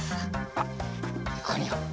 あっここにいよう。